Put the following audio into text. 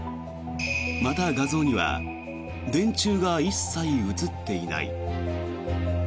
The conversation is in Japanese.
また、画像には電柱が一切写っていない。